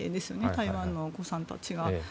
台湾のお子さんたちは。